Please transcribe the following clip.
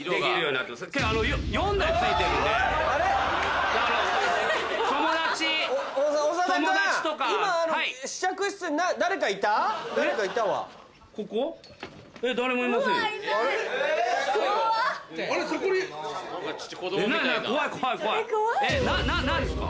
な何ですか？